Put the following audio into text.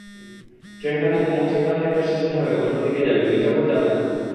ট্রেনটা নাকি মৌচাক নামের একটা স্টেশন হয়ে অন্যদিকে যাবে, মির্জাপুর যাবে না।